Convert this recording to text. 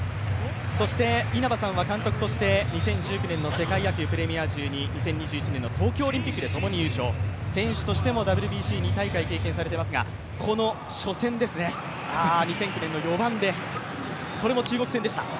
稲葉さんは監督として２０１９年の世界野球プレミア１２２０２１年の東京オリンピックでともに優勝、選手としてもＷＢＣを２大会経験されていますが、この初戦ですね、２００９年の４番で、これも中国戦でした。